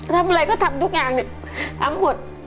ทำอะไรก็ทำทุกอย่างเนี่ยทำหมด